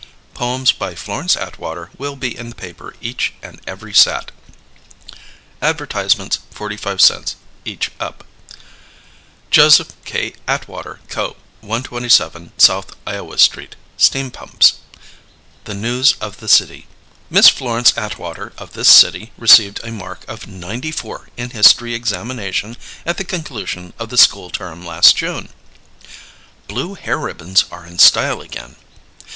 Poems by Florence Atwater will be in the paper each and every Sat. Advertisements 45c. each Up Joseph K. Atwater Co. 127 South Iowa St. Steam Pumps The News of the City Miss Florence Atwater of tHis City received a mark of 94 in History Examination at the concusion of the school Term last June. Blue hair ribbons are in style again.